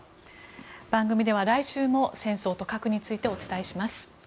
番組では来週も戦争と核についてお伝えします。